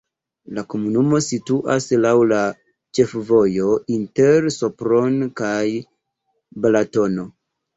La komunumo situas laŭ la ĉefvojo inter Sopron kaj Balatono.